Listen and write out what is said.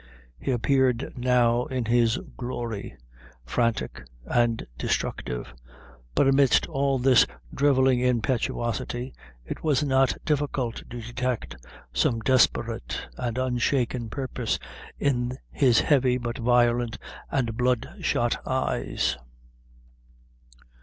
He appeared now in his glory frantic and destructive; but amidst all this drivelling impetuosity, it was not difficult to detect some desperate and unshaken purpose in his heavy but violent and bloodshot eyes.